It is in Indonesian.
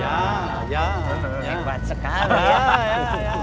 nih banget sekali ya